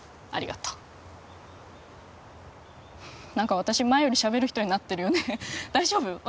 ありがとうなんか私前よりしゃべる人になってるよね大丈夫？